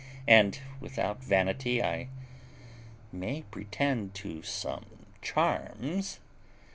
and, without vanity, I may pretend to some charms.